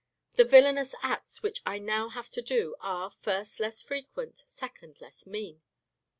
The villainous acts which I now have to do are (first) less frequent ; (second) less mean.